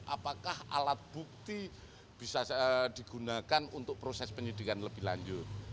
apakah alat bukti bisa digunakan untuk proses penyidikan lebih lanjut